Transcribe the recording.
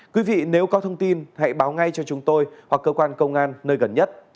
quý vị nếu có thông tin hãy báo ngay cho chúng tôi hoặc cơ quan công an nơi gần nhất